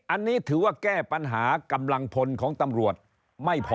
อันนี้ถือว่าแก้ปัญหากำลังพลของตำรวจไม่พอ